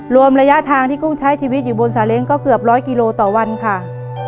รวมระยะทางที่กุ้งใช้ชีวิตอยู่บนสาเล้งก็เกือบร้อยกิโลต่อวันค่ะ